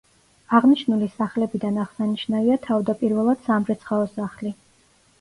აღნიშნული სახლებიდან აღსანიშნავია თავდაპირველად სამრეცხაო სახლი.